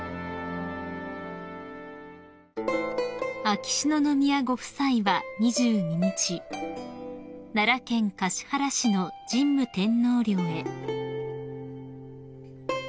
［秋篠宮ご夫妻は２２日奈良県橿原市の神武天皇陵へ］